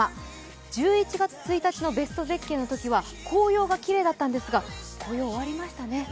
１１月１日のベスト絶景のときは紅葉がきれいだったんですが、紅葉、終わりましたね。